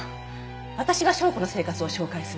私が紹子の生活を紹介する。